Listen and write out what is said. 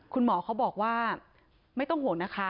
คุณหมอเขาบอกว่าไม่ต้องห่วงนะคะ